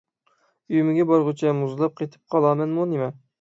ئۆيۈمگە بارغۇچە مۇزلاپ قېتىپ قالىمەنمۇ نېمە؟